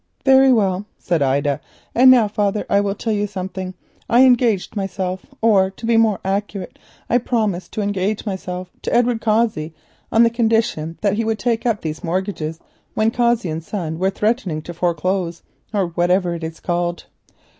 "Very well," said Ida. "And now, father, I will tell you something. I engaged myself—or, to be more accurate, I promised to engage myself—to Edward Cossey on the condition that he would take up these mortgages when Cossey and Son were threatening to foreclose, or whatever it is called."